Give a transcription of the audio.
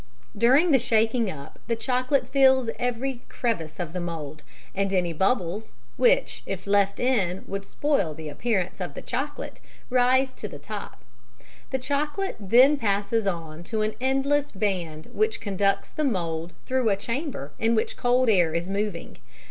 During the shaking up the chocolate fills every crevice of the mould, and any bubbles, which if left in would spoil the appearance of the chocolate, rise to the top. The chocolate then passes on to an endless band which conducts the mould through a chamber in which cold air is moving.